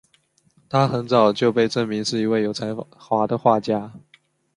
她很早就被证明是一位有才华的画家。